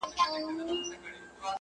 غربته ستا په شتون کي وسوه په ما,